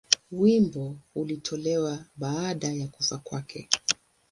Wimbo ulitolewa baada ya kufa kwake.